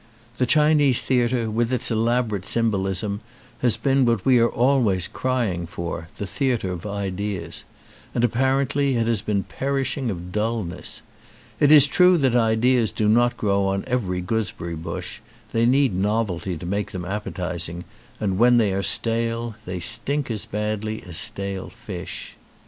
The Chinese theatre, with its elaborate symbolism, has been what we are always crying for, the theatre of ideas ; and apparently it has been perishing of dullness. It is true that ideas do not grow on every gooseberry bush, they need novelty to make them appetising, and when they are stale they stink as badly as stale fish.